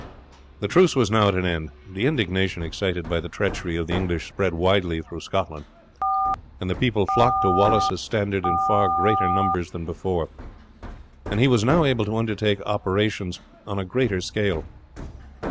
The truce was now at an end. The indignation excited by the treachery of the English spread widely through Scotland, and the people flocked to Wallace's standard in far greater numbers than before, and he was now able to undertake operations on a greater scale.